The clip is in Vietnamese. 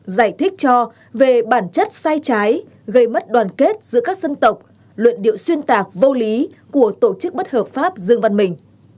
giải thích cho về bản chất sai trái gây mất đoàn kết giữa các dân tộc luận điệu xuyên tạc vô lý của tổ chức bất hợp pháp dương văn mình